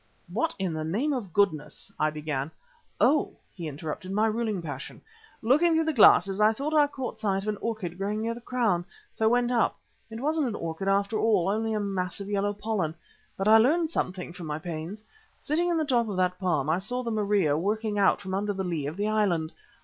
"What in the name of goodness " I began. "Oh!" he interrupted, "my ruling passion. Looking through the glasses I thought I caught sight of an orchid growing near the crown, so went up. It wasn't an orchid after all, only a mass of yellow pollen. But I learned something for my pains. Sitting in the top of that palm I saw the Maria working out from under the lee of the island.